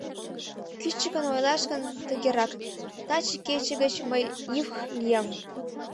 — Кӱчыкын ойлаш гын, тыгерак: таче кече гыч мый нивх лиям.